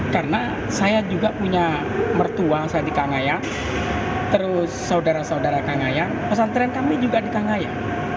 karena saya juga punya mertua saya di kangayang terus saudara saudara kangayang pesantren kami juga di kangayang